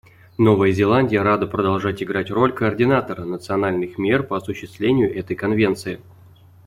Новая Зеландия рада продолжать играть роль координатора национальных мер по осуществлению этой Конвенции.